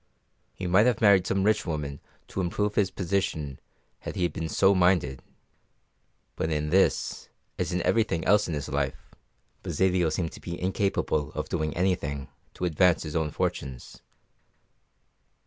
He might have married some rich woman to improve his position had he been so minded, but in this, as in everything else in his life, Basilio appeared to be incapable of doing anything to advance his own fortunes.